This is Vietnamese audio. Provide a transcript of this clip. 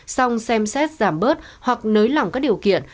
xong xem xét giảm bớt hoặc nới lỏng các điều kiện